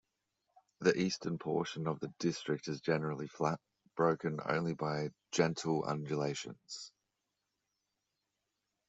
The eastern portion of the district is generally flat, broken only by gentle undulations.